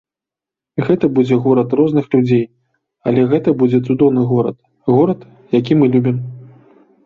Гэта будзе горад розных людзей, але гэта будзе цудоўны горад, горад, які мы любім.